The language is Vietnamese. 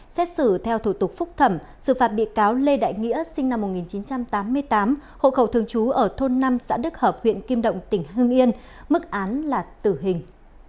xét xử theo thủ tục phúc thẩm xử phạt bị cáo lê đại nghĩa sinh năm một nghìn chín trăm tám mươi tám hộ khẩu thường trú ở thôn năm xã đức hợp huyện kim động tỉnh hưng yên mức án là tử hình